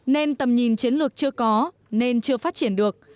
nên tầm nhìn chiến lược chưa có nên chưa phát triển được